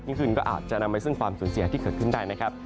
ขึ้นก็อาจจะนำไปซึ่งความสูญเสียที่เกิดขึ้นได้นะครับ